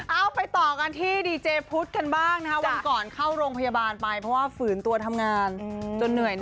เอาไปต่อกันที่ดีเจพุทธกันบ้างนะคะวันก่อนเข้าโรงพยาบาลไปเพราะว่าฝืนตัวทำงานจนเหนื่อย